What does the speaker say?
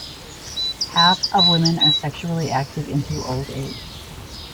Half of women are sexually active into old age.